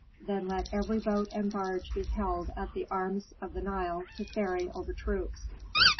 "Then let every boat and barge be held at the arms of the Nile to ferry over troops.